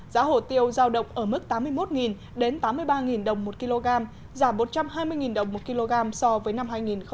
giá hồ tiêu giao động ở mức tám mươi một đến tám mươi ba đồng một kg giảm một trăm hai mươi đồng một kg so với năm hai nghìn một mươi bảy